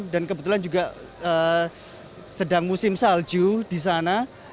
dan kebetulan juga sedang musim salju di sana